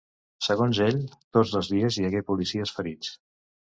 Segons ell, tots dos dies hi hagué policies ferits.